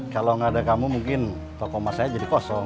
kalau nggak ada kamu mungkin toko emas saya jadi kosong